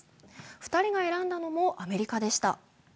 ２人が選んだのもアメリカでした。